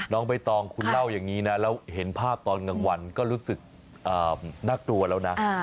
ใบตองคุณเล่าอย่างนี้นะแล้วเห็นภาพตอนกลางวันก็รู้สึกน่ากลัวแล้วนะ